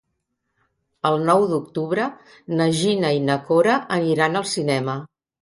El nou d'octubre na Gina i na Cora aniran al cinema.